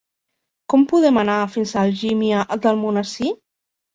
Com podem anar fins a Algímia d'Almonesir?